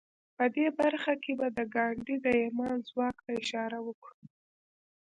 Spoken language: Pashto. په دې برخه کې به د ګاندي د ايمان ځواک ته اشاره وکړو.